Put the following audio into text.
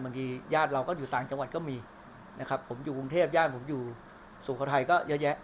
บางทีญาติเราก็อยู่ต่างจังหวัดก็มีนะครับผมอยู่กรุงเทพฯญาติผมอยู่สูงครอบครัวไทยก็เยอะแยะนะครับ